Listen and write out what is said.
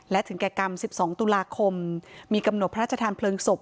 และถึงแก่กรรม๑๒ตุลาคมมีกำหนดพระราชทานเพลิงศพ